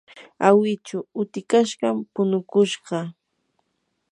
awichu utikashqami punukushqa.